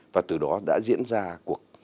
và từ đó đã diễn ra cuộc